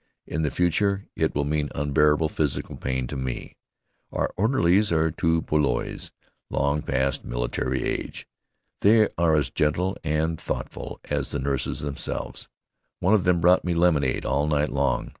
In the future it will mean unbearable physical pain to me. Our orderlies are two poilus, long past military age. They are as gentle and thoughtful as the nurses themselves. One of them brought me lemonade all night long.